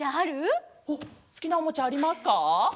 おっすきなおもちゃありますか？